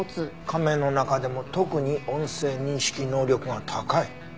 「亀の中でも特に音声認識能力が高い」。